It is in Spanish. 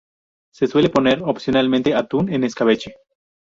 Se suele poner opcionalmente atún en escabeche.